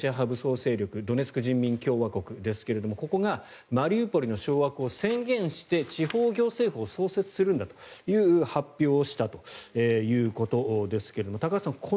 武装勢力ドネツク人民共和国ですがここがマリウポリの掌握を宣言して地方行政府を創設するんだという発表をしたということですが高橋さん